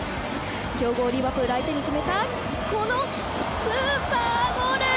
強豪リバプール相手に決めたこのスーパーゴール！